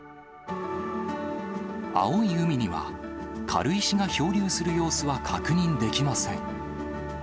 青い海には、軽石が漂流する様子は確認できません。